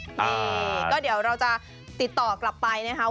นี่ก็เดี๋ยวเราจะติดต่อกลับไปนะครับ